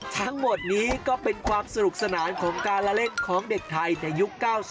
ทั้งหมดนี้ก็เป็นความสนุกสนานของการละเล่นของเด็กไทยในยุค๙๐